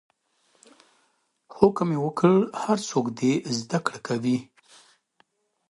حکم یې وکړ هر څوک دې زده کړه کوي.